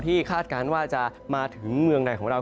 คาดการณ์ว่าจะมาถึงเมืองในของเรา